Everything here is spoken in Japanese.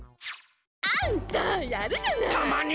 あんたやるじゃない！